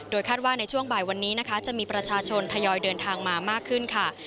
คาดว่าในช่วงบ่ายวันนี้นะคะจะมีประชาชนทยอยเดินทางมามากขึ้นค่ะ